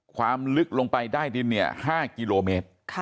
ความลึกลงไปได้ดินเนี่ย๕กิโลเมตรค่ะ